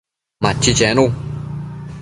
Machi chenu